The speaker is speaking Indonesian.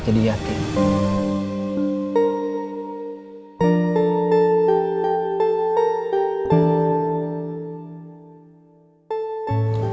aku masih yakin aku masih yakin